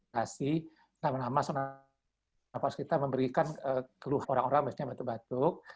nama nama seluruh nafas kita memberikan keluh orang orang biasanya batuk batuk